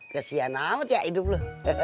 kesian amat ya hidup lo